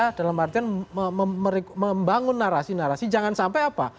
ya dalam artian membangun narasi narasi jangan sampai apa